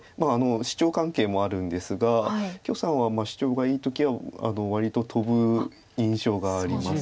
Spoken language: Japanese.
シチョウ関係もあるんですが許さんはシチョウがいい時は割とトブ印象があります。